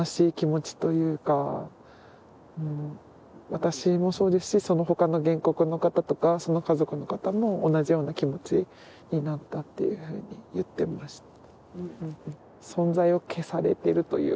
私もそうですし、そのほかの原告の方とか、その家族の方も同じような気持ちになったと言っていました。